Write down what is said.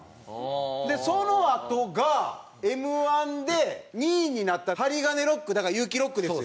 そのあとがＭ−１で２位になったハリガネロックだからユウキロックですよ。